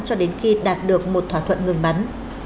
cho đến khi đạt được một thỏa thuận ngừng bắn